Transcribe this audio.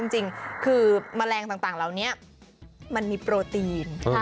จริงคือแมลงต่างเหล่านี้มันมีโปรตีน